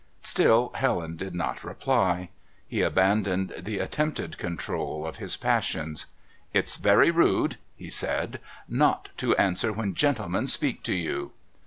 Still Helen did not reply. He abandoned the attempted control of his passions. "It's very rude," he said, "not to answer when gentlemen speak to you."